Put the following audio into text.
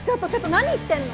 何言ってんの！？